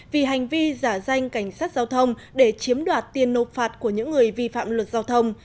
vì hành vi giả danh cảnh sát giao thông để chiếm đoạt tiền nộp phạt của những người vi phạm luật giao thông